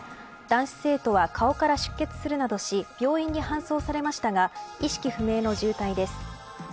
男子生徒は顔から出血するなどし病院に搬送されましたが意識不明の重体です。